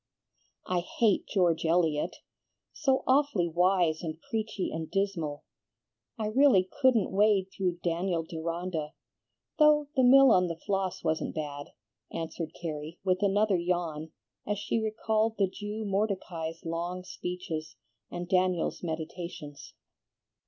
"I hate George Eliot, so awfully wise and preachy and dismal! I really couldn't wade through 'Daniel Deronda,' though 'The Mill on the Floss' wasn't bad," answered Carrie, with another yawn, as she recalled the Jew Mordecai's long speeches, and Daniel's meditations.